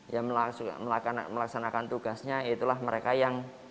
ya melaksanakan tugasnya itulah mereka yang